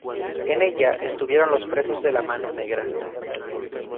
En ella estuvieron los presos de la Mano Negra.